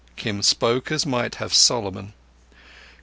Kim spoke as might have Solomon.